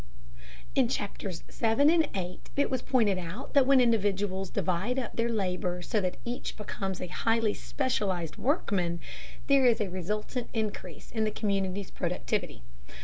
In Chapters VII and VIII it was pointed out that when individuals divide up their labor so that each becomes a highly specialized workman there is a resultant increase in the community's productivity.